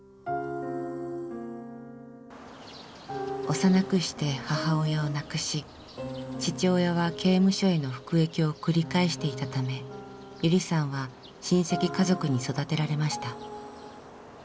幼くして母親を亡くし父親は刑務所への服役を繰り返していたためゆりさんは親戚家族に育てられました。